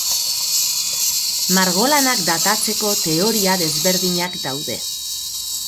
Margolanak datatzeko teoria desberdinak daude.